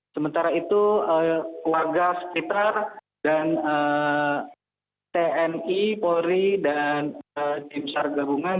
sementara itu keluarga sekitar dan tni polri dan tim sargabungan